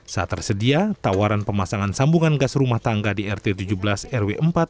saat tersedia tawaran pemasangan sambungan gas rumah tangga di rt tujuh belas rw empat